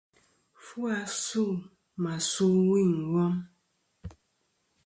Fu asû mà su ɨwûyn ɨ wom.